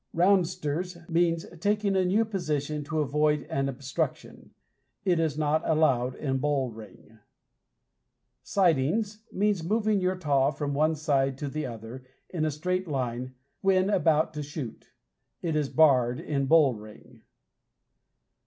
Roundsters means taking a new position to avoid an obstruction. It is not allowed in Bull Ring. Sidings means moving your taw from one side to the other in a straight line when about to shoot It is barred in Bull Ring.